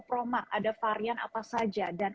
proma ada varian apa saja dan